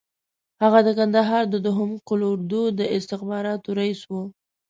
هغه د کندهار د دوهم قول اردو د استخباراتو رییس وو.